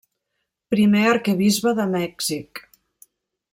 Primer arquebisbe de Mèxic.